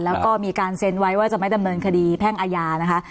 แล้วก็มีการเซ็นไว้ว่าจะไม่ดำเนินคดีแพ่งอาญานะคะ